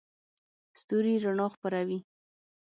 ستوري رڼا خپروي.